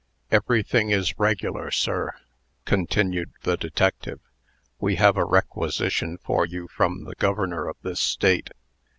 "Everything is regular, sir," continued the detective. "We have a requisition for you from the Governor of this State.